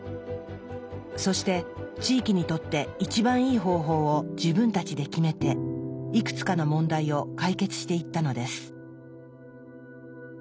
そして地域にとって一番いい方法を自分たちで決めていくつかの問題を解決していったのです。